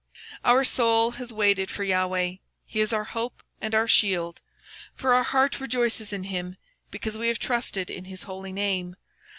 Our soul waiteth for the LORD: He is our help and our shield. For our heart shall rejoice in him, Because we have trusted in his holy name.